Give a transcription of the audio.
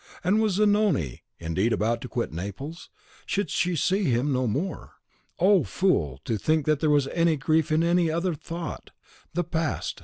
And was Zanoni indeed about to quit Naples? Should she see him no more? Oh, fool, to think that there was grief in any other thought! The past!